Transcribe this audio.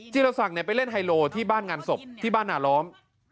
รศักดิ์ไปเล่นไฮโลที่บ้านงานศพที่บ้านนาล้อม